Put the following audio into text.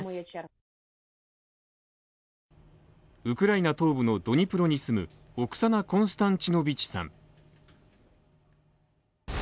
ウクライナ東部のドニプロに住むオクサナ・コンスタンチノビチさん。